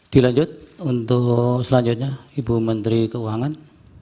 dilanjut untuk selanjutnya ibu menteri keuangan